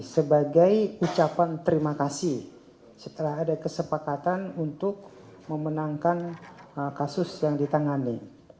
sebagai ucapan terima kasih setelah ada kesepakatan untuk memenangkan kasus yang ditangani